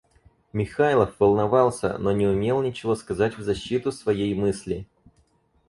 Михайлов волновался, но не умел ничего сказать в защиту своей мысли.